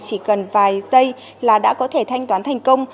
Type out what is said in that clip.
chỉ cần vài giây là đã có thể thanh toán thành công